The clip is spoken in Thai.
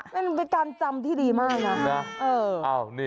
เป็นการจำที่ดีมากนะ